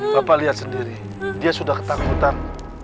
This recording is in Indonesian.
bapak lihat sendiri dia sudah ketakutan